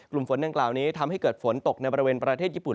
ฝนดังกล่าวนี้ทำให้เกิดฝนตกในบริเวณประเทศญี่ปุ่น